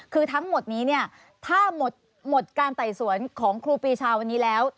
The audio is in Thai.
คือทั้งหมดนี้เนี่ยถ้าหมดการไต่สวนของครูปีชาวันนี้แล้ว